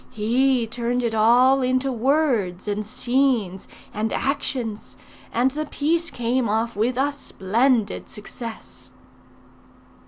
He turned it all into words, and scenes, and actions; and the piece came off with a splendid success."